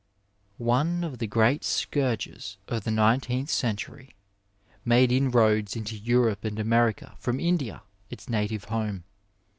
— One of the great scourges of the nineteenth century made inroads into Europe and America from India, its native home.